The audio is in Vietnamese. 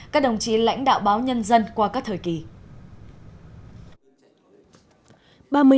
các đồng chí lãnh đạo báo nhân dân qua các thời kỳ